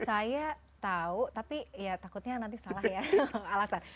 saya tahu tapi ya takutnya nanti salah ya alasan